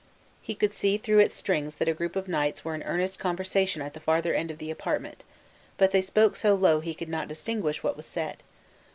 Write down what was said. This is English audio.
He could see through its strings that a group of knights were in earnest conversation at the further end of the apartment; but they spoke so low he could not distinguish what was said.